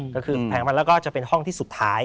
ก็คือแผงมันแล้วก็จะเป็นห้องที่สุดท้าย